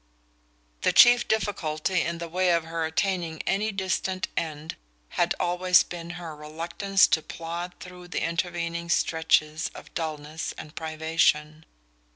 The chief difficulty in the way of her attaining any distant end had always been her reluctance to plod through the intervening stretches of dulness and privation.